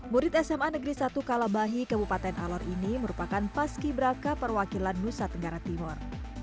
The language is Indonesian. murid sma negeri satu kalabahi kabupaten alor ini merupakan paski braka perwakilan nusa tenggara timur